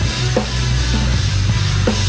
ส่วนยังแบร์ดแซมแบร์ด